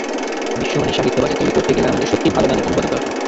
বিশ্বমানের সাহিত্য বাজার তৈরি করতে গেলে আমাদের সত্যি ভালো মানের অনুবাদক দরকার।